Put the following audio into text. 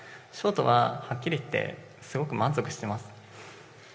ショートは、はっきり言って、すごく満足しています。